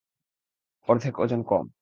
অর্ধেক ওজন কম।